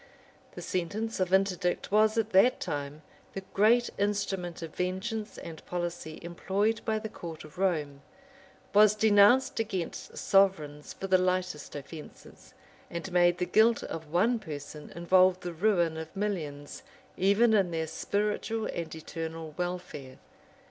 [*] The sentence of interdict was at that time the great instrument of vengeance and policy employed by the court of Rome; was denounced against sovereigns for the lightest offences; and made the guilt of one person involve the ruin of millions, even in their spiritual and eternal welfare.